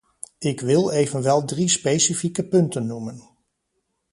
Ik wil evenwel drie specifieke punten noemen.